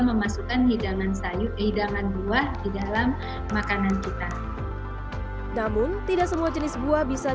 memasukkan hidangan sayur hidangan buah di dalam makanan kita namun tidak semua jenis buah bisa